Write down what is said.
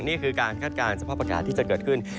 นี่คือการคาดการณ์สภาพอากาศที่จะเกิดขึ้น